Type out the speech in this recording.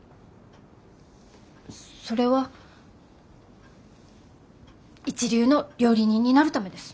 それは一流の料理人になるためです。